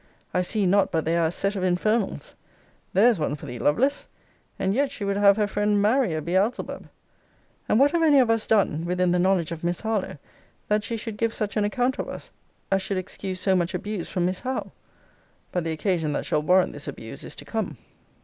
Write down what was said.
'I see not but they are a set of infernals!' There's one for thee, Lovelace! and yet she would have her friend marry a Beelzebub. And what have any of us done, (within the knowledge of Miss Harlowe,) that she should give such an account of us, as should excuse so much abuse from Miss Howe! But the occasion that shall warrant this abuse is to come!